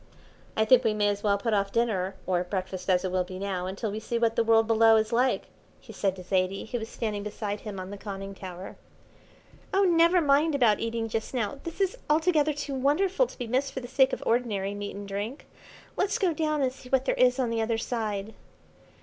"I think we may as well put off dinner, or breakfast as it will be now, until we see what the world below is like," he said to Zaidie, who was standing beside him on the conning tower. "Oh, never mind about eating just now, this is altogether too wonderful to be missed for the sake of ordinary meat and drink. Let's go down and see what there is on the other side."